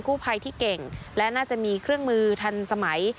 กู้ภัยที่เก่งและน่าจะมีเครื่องมือทันสมัย